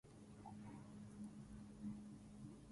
weka matembele pasipo na jua kali